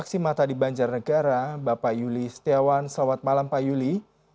saksi mata di banjarnegara bapak yuli setiawan selamat malam pak yuli